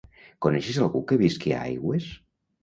Coneixes algú que visqui a Aigües?